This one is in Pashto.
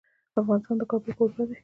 افغانستان د کابل کوربه دی.